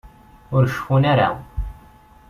Ur ceffun ara.